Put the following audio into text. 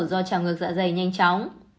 do trào ngược dạ dày nhanh chóng